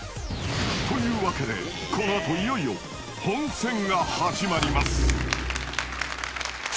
［というわけでこの後いよいよ本戦が始まります］